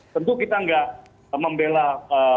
tentu kita tidak membelah